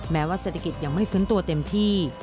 แม้ว่าเศรษฐกิจยังไม่ฟื้นตัวเต็มที่